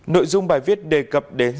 nội dung bài viết đề cập đến